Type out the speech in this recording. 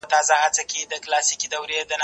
زه به سبا لاس پرېولم،